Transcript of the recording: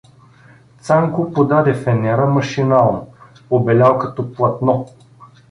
Цанко подаде фенера машинално, побелял като платно.